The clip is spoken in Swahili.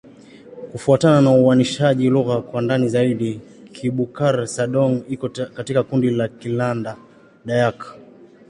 Kufuatana na uainishaji wa lugha kwa ndani zaidi, Kibukar-Sadong iko katika kundi la Kiland-Dayak.